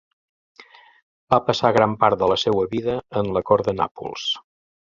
Va passar gran part de la seua vida en la cort de Nàpols.